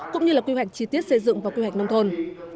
cũng như là quy hoạch chi tiết xây dựng và quy hoạch nông thôn